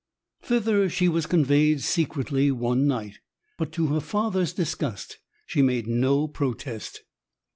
Thither she was conveyed secretly one night, but to her father's disgust she made no protest.